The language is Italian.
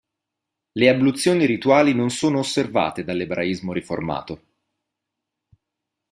Le abluzioni rituali non sono osservate dall'Ebraismo riformato.